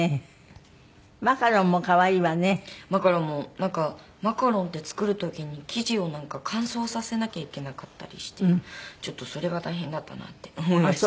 なんかマカロンって作る時に生地を乾燥させなきゃいけなかったりしてちょっとそれが大変だったなって思いました。